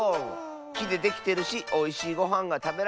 きでできてるしおいしいごはんがたべられそうッス。